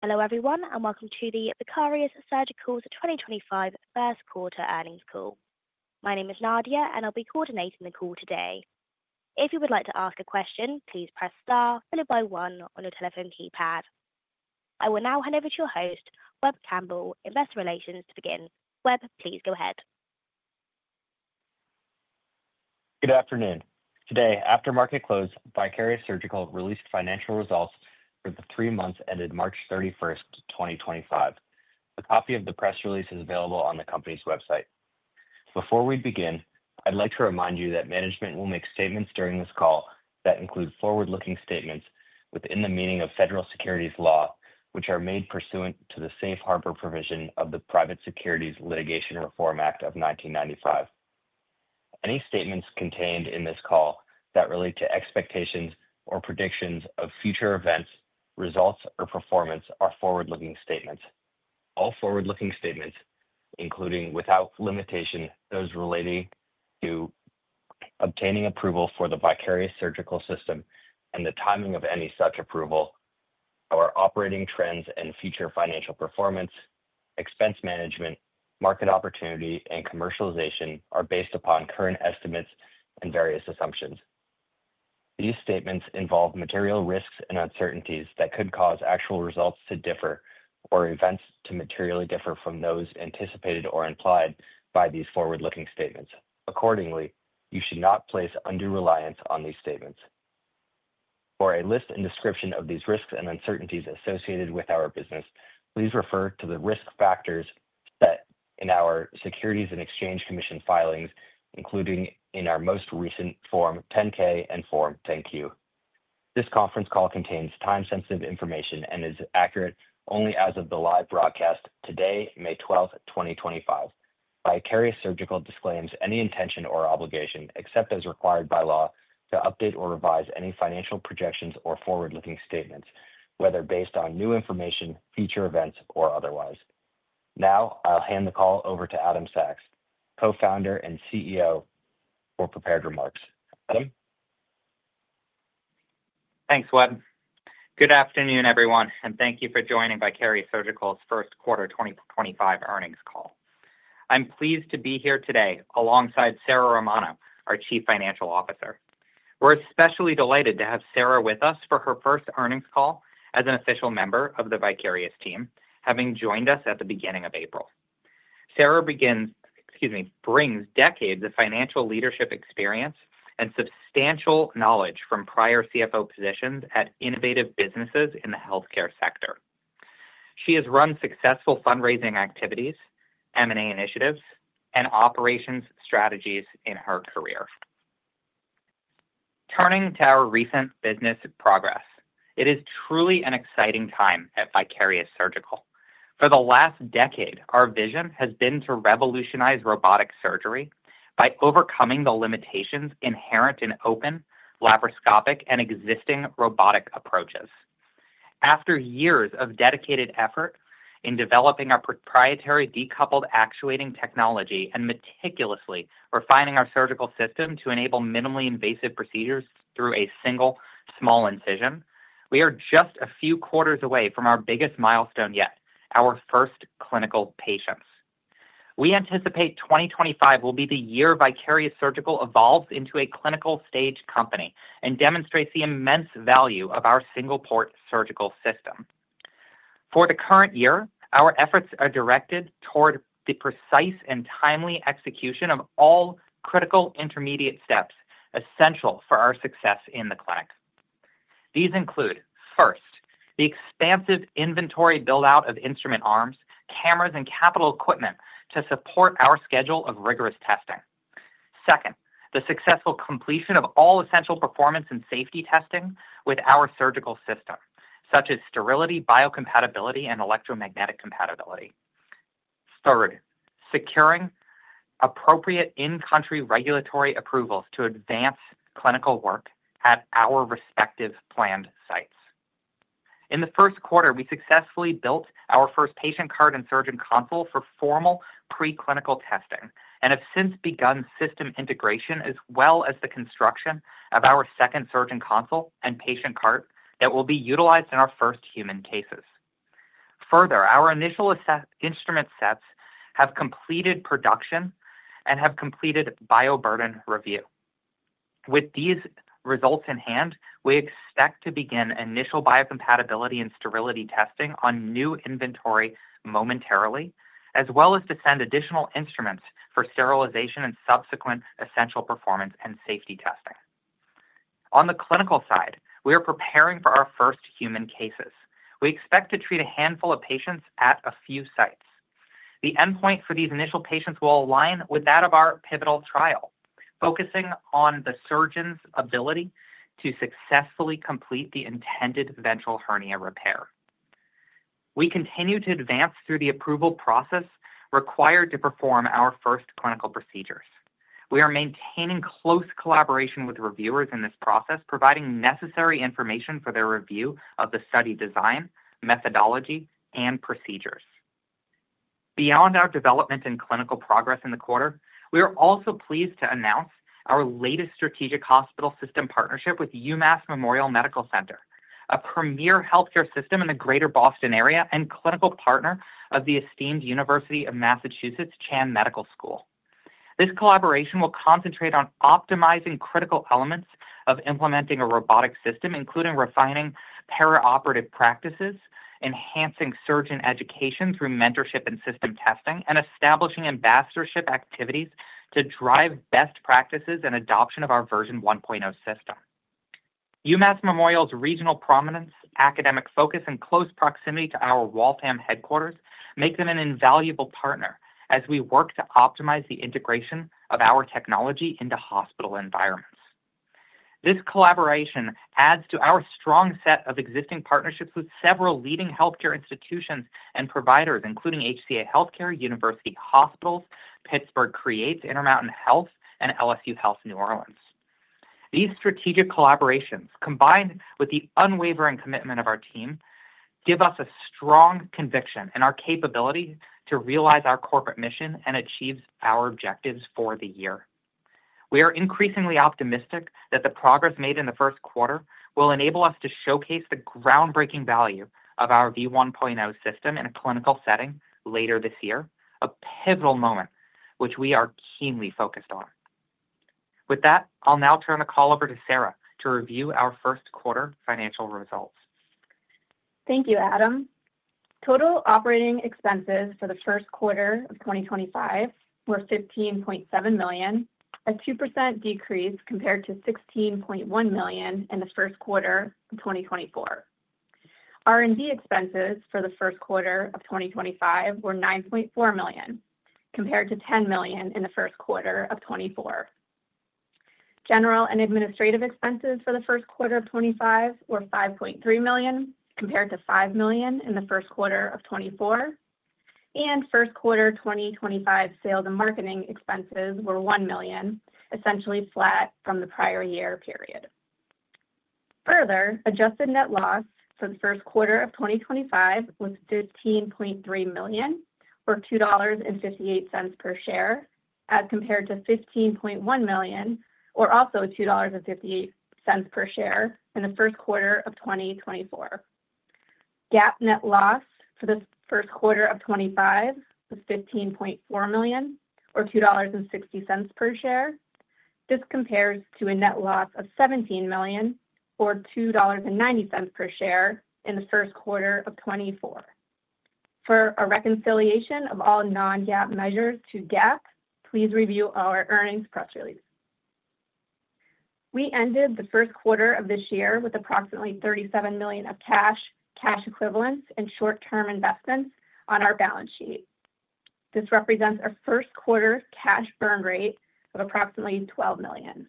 Hello, everyone, and welcome to Vicarious Surgical's 2025 First Quarter Earnings Call. My name is Nadia, and I'll be coordinating the call today. If you would like to ask a question, please press star followed by one on your telephone keypad. I will now hand over to your host, Webb Campbell, Investor Relations, to begin. Webb, please go ahead. Good afternoon. Today, after market close, Vicarious Surgical released financial results for the three months ended March 31st, 2025. A copy of the press release is available on the company's website. Before we begin, I'd like to remind you that management will make statements during this call that include forward-looking statements within the meaning of federal securities law, which are made pursuant to the safe harbor provision of the Private Securities Litigation Reform Act of 1995. Any statements contained in this call that relate to expectations or predictions of future events, results, or performance are forward-looking statements. All forward-looking statements, including without limitation those relating to obtaining approval for the Vicarious Surgical System and the timing of any such approval, our operating trends and future financial performance, expense management, market opportunity, and commercialization are based upon current estimates and various assumptions. These statements involve material risks and uncertainties that could cause actual results to differ or events to materially differ from those anticipated or implied by these forward-looking statements. Accordingly, you should not place undue reliance on these statements. For a list and description of these risks and uncertainties associated with our business, please refer to the risk factors set in our Securities and Exchange Commission filings, including in our most recent Form 10-K and Form 10-Q. This conference call contains time-sensitive information and is accurate only as of the live broadcast today, May 12th, 2025. Vicarious Surgical disclaims any intention or obligation, except as required by law, to update or revise any financial projections or forward-looking statements, whether based on new information, future events, or otherwise. Now, I'll hand the call over to Adam Sachs, Co-founder and CEO for prepared remarks. Adam? Thanks, Webb. Good afternoon, everyone, and thank you for joining Vicarious Surgical's first quarter 2025 earnings call. I'm pleased to be here today alongside Sarah Romano, our Chief Financial Officer. We're especially delighted to have Sarah with us for her first earnings call as an official member of the Vicarious team, having joined us at the beginning of April. Sarah brings decades of financial leadership experience and substantial knowledge from prior CFO positions at innovative businesses in the healthcare sector. She has run successful fundraising activities, M&A initiatives, and operations strategies in her career. Turning to our recent business progress, it is truly an exciting time at Vicarious Surgical. For the last decade, our vision has been to revolutionize robotic surgery by overcoming the limitations inherent in open, laparoscopic, and existing robotic approaches. After years of dedicated effort in developing our proprietary decoupled actuating technology and meticulously refining our surgical system to enable minimally invasive procedures through a single small incision, we are just a few quarters away from our biggest milestone yet, our first clinical patients. We anticipate 2025 will be the year Vicarious Surgical evolves into a clinical stage company and demonstrates the immense value of our single-port surgical system. For the current year, our efforts are directed toward the precise and timely execution of all critical intermediate steps essential for our success in the clinic. These include, first, the expansive inventory build-out of instrument arms, cameras, and capital equipment to support our schedule of rigorous testing. Second, the successful completion of all essential performance and safety testing with our surgical system, such as sterility, biocompatibility, and electromagnetic compatibility. Third, securing appropriate in-country regulatory approvals to advance clinical work at our respective planned sites. In the first quarter, we successfully built our first patient cart and surgeon console for formal preclinical testing and have since begun system integration as well as the construction of our second surgeon console and patient cart that will be utilized in our first human cases. Further, our initial instrument sets have completed production and have completed bioburden review. With these results in hand, we expect to begin initial biocompatibility and sterility testing on new inventory momentarily, as well as to send additional instruments for sterilization and subsequent essential performance and safety testing. On the clinical side, we are preparing for our first human cases. We expect to treat a handful of patients at a few sites. The endpoint for these initial patients will align with that of our pivotal trial, focusing on the surgeon's ability to successfully complete the intended ventral hernia repair. We continue to advance through the approval process required to perform our first clinical procedures. We are maintaining close collaboration with reviewers in this process, providing necessary information for their review of the study design, methodology, and procedures. Beyond our development and clinical progress in the quarter, we are also pleased to announce our latest strategic hospital system partnership with UMass Memorial Medical Center, a premier healthcare system in the greater Boston area and clinical partner of the esteemed University of Massachusetts Chan Medical School. This collaboration will concentrate on optimizing critical elements of implementing a robotic system, including refining perioperative practices, enhancing surgeon education through mentorship and system testing, and establishing ambassadorship activities to drive best practices and adoption of our version 1.0 system. UMass Memorial's regional prominence, academic focus, and close proximity to our Waltham headquarters make them an invaluable partner as we work to optimize the integration of our technology into hospital environments. This collaboration adds to our strong set of existing partnerships with several leading healthcare institutions and providers, including HCA Healthcare, University Hospitals, Pittsburgh CREATES, Intermountain Health, and LSU Health New Orleans. These strategic collaborations, combined with the unwavering commitment of our team, give us a strong conviction in our capability to realize our corporate mission and achieve our objectives for the year. We are increasingly optimistic that the progress made in the first quarter will enable us to showcase the groundbreaking value of our V1.0 system in a clinical setting later this year, a pivotal moment which we are keenly focused on. With that, I'll now turn the call over to Sarah to review our first quarter financial results. Thank you, Adam. Total operating expenses for the first quarter of 2025 were $15.7 million, a 2% decrease compared to $16.1 million in the first quarter of 2024. R&D expenses for the first quarter of 2025 were $9.4 million, compared to $10 million in the first quarter of 2024. General and administrative expenses for the first quarter of 2025 were $5.3 million, compared to $5 million in the first quarter of 2024. First quarter 2025 sales and marketing expenses were $1 million, essentially flat from the prior year period. Further, adjusted net loss for the first quarter of 2025 was $15.3 million, or $2.58 per share, as compared to $15.1 million, or also $2.58 per share in the first quarter of 2024. GAAP net loss for the first quarter of 2025 was $15.4 million, or $2.60 per share. This compares to a net loss of $17 million, or $2.90 per share in the first quarter of 2024. For a reconciliation of all non-GAAP measures to GAAP, please review our earnings press release. We ended the first quarter of this year with approximately $37 million of cash, cash equivalents, and short-term investments on our balance sheet. This represents our first quarter cash burn rate of approximately $12 million.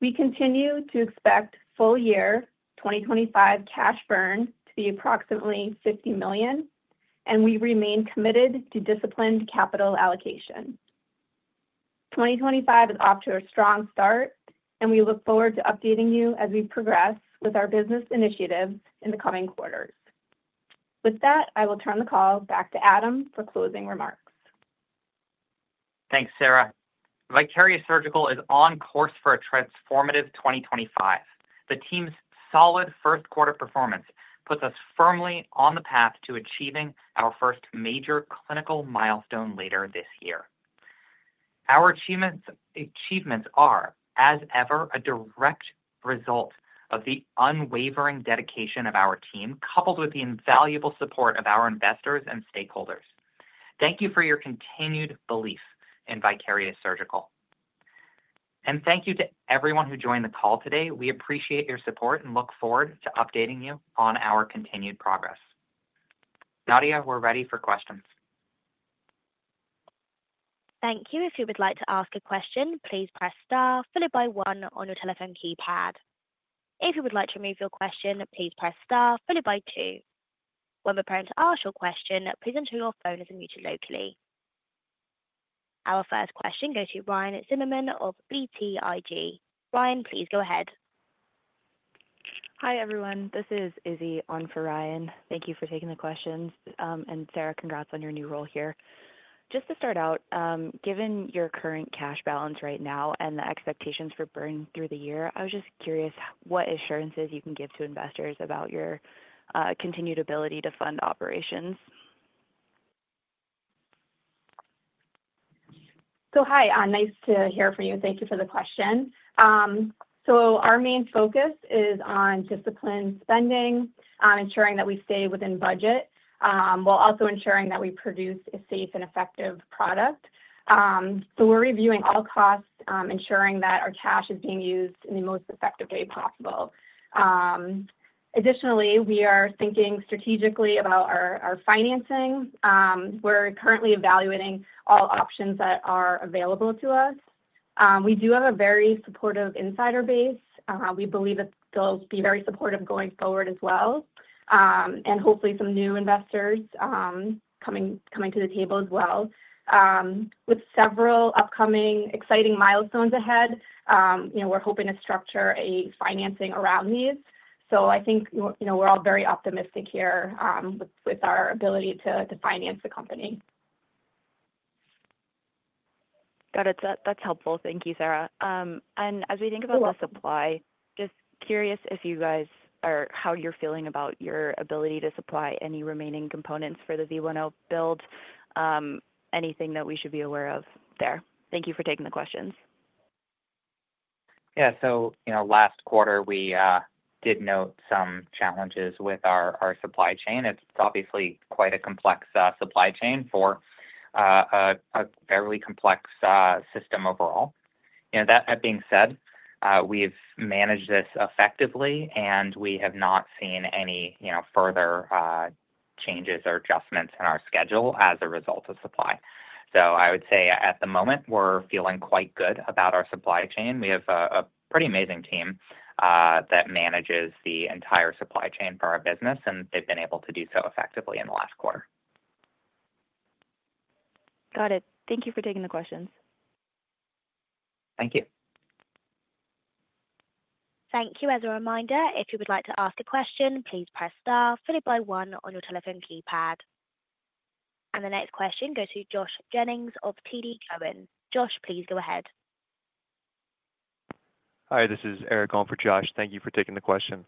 We continue to expect full year 2025 cash burn to be approximately $50 million, and we remain committed to disciplined capital allocation. 2025 is off to a strong start, and we look forward to updating you as we progress with our business initiatives in the coming quarters. With that, I will turn the call back to Adam for closing remarks. Thanks, Sarah. Vicarious Surgical is on course for a transformative 2025. The team's solid first quarter performance puts us firmly on the path to achieving our first major clinical milestone later this year. Our achievements are, as ever, a direct result of the unwavering dedication of our team, coupled with the invaluable support of our investors and stakeholders. Thank you for your continued belief in Vicarious Surgical. Thank you to everyone who joined the call today. We appreciate your support and look forward to updating you on our continued progress. Nadia, we're ready for questions. Thank you. If you would like to ask a question, please press star followed by one on your telephone keypad. If you would like to remove your question, please press star followed by two. When we're preparing to ask your question, please ensure your phone is muted locally. Our first question goes to Ryan Zimmerman of BTIG. Ryan, please go ahead. Hi, everyone. This is Izzy on for Ryan. Thank you for taking the questions. Sarah, congrats on your new role here. Just to start out, given your current cash balance right now and the expectations for burn through the year, I was just curious what assurances you can give to investors about your continued ability to fund operations. Hi. Nice to hear from you. Thank you for the question. Our main focus is on disciplined spending, ensuring that we stay within budget, while also ensuring that we produce a safe and effective product. We're reviewing all costs, ensuring that our cash is being used in the most effective way possible. Additionally, we are thinking strategically about our financing. We're currently evaluating all options that are available to us. We do have a very supportive insider base. We believe that they'll be very supportive going forward as well, and hopefully some new investors coming to the table as well. With several upcoming exciting milestones ahead, we're hoping to structure a financing around these. I think we're all very optimistic here with our ability to finance the company. Got it. That's helpful. Thank you, Sarah. As we think about the supply, just curious if you guys are how you're feeling about your ability to supply any remaining components for the V1.0 build, anything that we should be aware of there. Thank you for taking the questions. Yeah. Last quarter, we did note some challenges with our supply chain. It is obviously quite a complex supply chain for a fairly complex system overall. That being said, we have managed this effectively, and we have not seen any further changes or adjustments in our schedule as a result of supply. I would say at the moment, we are feeling quite good about our supply chain. We have a pretty amazing team that manages the entire supply chain for our business, and they have been able to do so effectively in the last quarter. Got it. Thank you for taking the questions. Thank you. Thank you. As a reminder, if you would like to ask a question, please press star followed by one on your telephone keypad. The next question goes to Josh Jennings of TD Cowen. Josh, please go ahead. Hi, this is Eric on for Josh. Thank you for taking the question.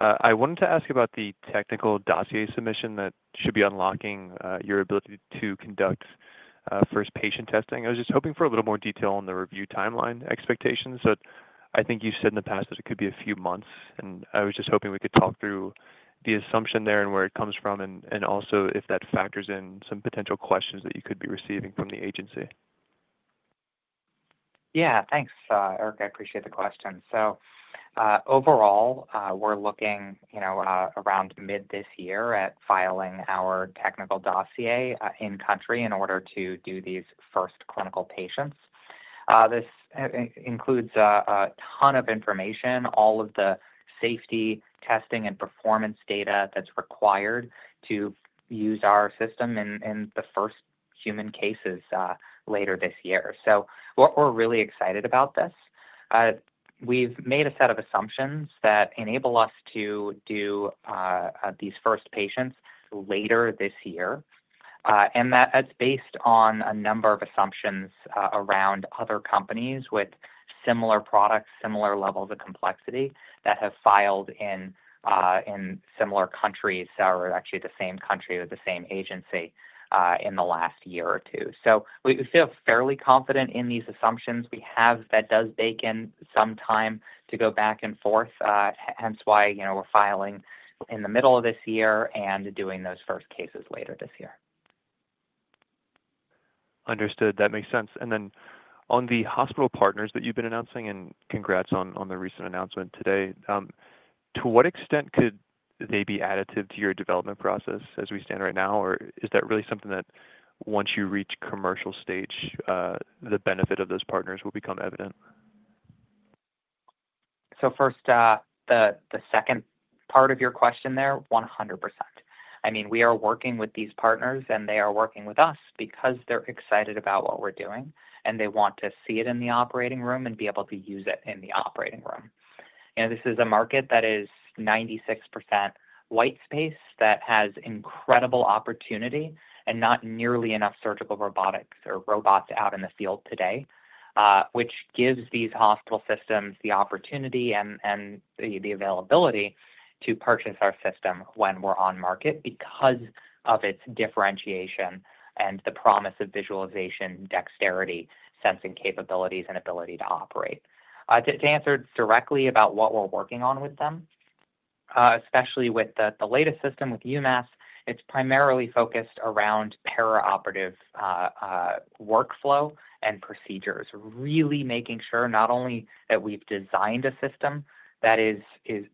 I wanted to ask about the technical dossier submission that should be unlocking your ability to conduct first patient testing. I was just hoping for a little more detail on the review timeline expectations. I think you've said in the past that it could be a few months, and I was just hoping we could talk through the assumption there and where it comes from, and also if that factors in some potential questions that you could be receiving from the agency. Yeah. Thanks, Eric. I appreciate the question. Overall, we're looking around mid this year at filing our technical dossier in-country in order to do these first clinical patients. This includes a ton of information, all of the safety testing and performance data that's required to use our system in the first human cases later this year. We're really excited about this. We've made a set of assumptions that enable us to do these first patients later this year, and that's based on a number of assumptions around other companies with similar products, similar levels of complexity that have filed in similar countries or actually the same country or the same agency in the last year or two. We feel fairly confident in these assumptions. We have that does bake in some time to go back and forth, hence why we're filing in the middle of this year and doing those first cases later this year. Understood. That makes sense. On the hospital partners that you've been announcing, and congrats on the recent announcement today, to what extent could they be additive to your development process as we stand right now, or is that really something that once you reach commercial stage, the benefit of those partners will become evident? First, the second part of your question there, 100%. I mean, we are working with these partners, and they are working with us because they're excited about what we're doing, and they want to see it in the operating room and be able to use it in the operating room. This is a market that is 96% white space that has incredible opportunity and not nearly enough surgical robotics or robots out in the field today, which gives these hospital systems the opportunity and the availability to purchase our system when we're on market because of its differentiation and the promise of visualization, dexterity, sensing capabilities, and ability to operate. To answer directly about what we're working on with them, especially with the latest system with UMass, it's primarily focused around perioperative workflow and procedures, really making sure not only that we've designed a system that is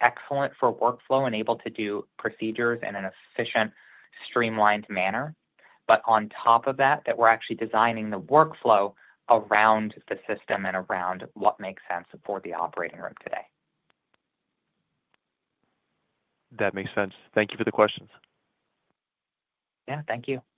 excellent for workflow and able to do procedures in an efficient, streamlined manner, but on top of that, that we're actually designing the workflow around the system and around what makes sense for the operating room today. That makes sense. Thank you for the questions. Yeah. Thank you. Thanks.